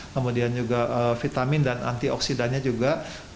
kemudian juga vitamin dan antioksidannya juga